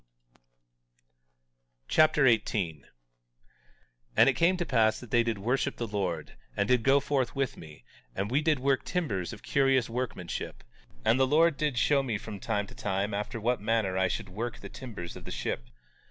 1 Nephi Chapter 18 18:1 And it came to pass that they did worship the Lord, and did go forth with me; and we did work timbers of curious workmanship. And the Lord did show me from time to time after what manner I should work the timbers of the ship.